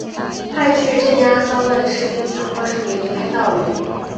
派去镇压骚乱的士兵强迫市民离开道路。